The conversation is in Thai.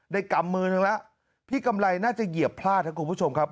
กำมือนึงแล้วพี่กำไรน่าจะเหยียบพลาดครับคุณผู้ชมครับ